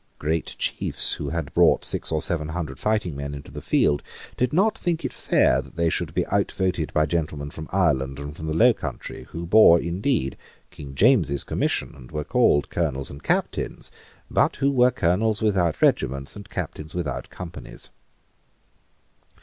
Great chiefs, who had brought six or seven hundred fighting men into the field, did not think it fair that they should be outvoted by gentlemen from Ireland and from the low country, who bore indeed King James's commission, and were called Colonels and Captains, but who were Colonels without regiments and Captains without companies.